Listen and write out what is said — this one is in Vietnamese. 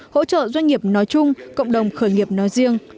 hỗ trợ doanh nghiệp nói chung cộng đồng khởi nghiệp nói riêng